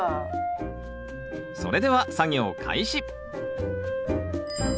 それでは作業開始